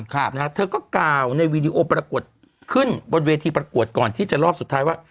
ครับนะฮะเธอก็กล่าวในวีดีโอปรากฏขึ้นบนเวทีประกวดก่อนที่จะรอบสุดท้ายว่า